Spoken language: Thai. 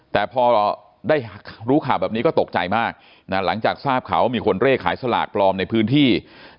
แต่พอได้รู้ข่าวแบบนี้ก็ตกใจมากหลังจากทราบข่าวว่ามีคนเร่ขายสลากปลอมในพื้นที่